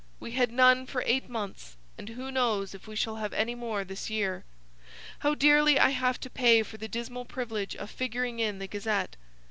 We had none for eight months, and who knows if we shall have any more this year. How dearly I have to pay for the dismal privilege of figuring in the Gazette.